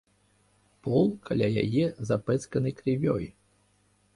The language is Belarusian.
Пол каля яе запэцканы крывёй.